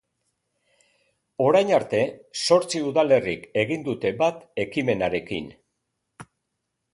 Orain arte, zortzi udalerrik egin dute bat ekimenarekin.